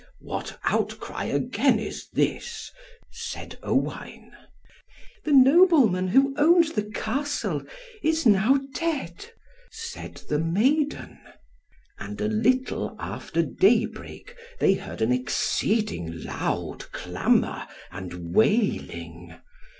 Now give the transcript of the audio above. "What outcry again is this?" said Owain. "The Nobleman who owned the Castle is now dead," said the maiden. And a little after daybreak, they heard an exceeding loud clamour and wailing.